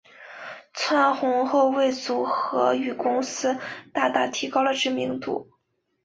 窜红后为组合与公司大大提高知名度。